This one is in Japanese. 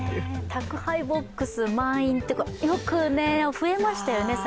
宅配ボックス満員とか、最近、増えましたよね